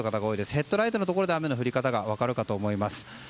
ヘッドライトのところで雨の降り方が分かると思います。